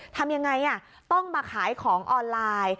ทำยังไงต้องมาขายของออนไลน์